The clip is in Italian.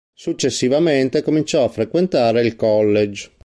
Successivamente, cominciò a frequentare il college.